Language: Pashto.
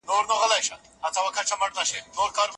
عامه احساسات د محبوبیت د لوړولو لپاره کارېږي.